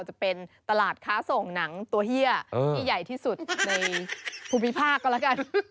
จะเป็นตลาดค้าส่งหนังตัวเฮียที่ใหญ่ที่สุดในภูมิภาคก็แล้วกัน